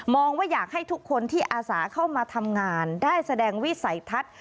ว่าอยากให้ทุกคนที่อาสาเข้ามาทำงานได้แสดงวิสัยทัศน์